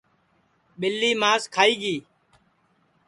ٻیلی ماس کھائی گی